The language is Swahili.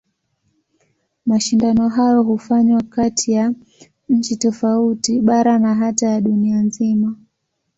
Mashindano hayo hufanywa kati ya nchi tofauti, bara na hata ya dunia nzima.